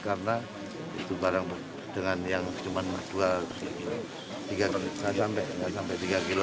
karena itu barang dengan yang cuma dua tiga kilo saja seperti itu apalagi kalau tiga ratus kilo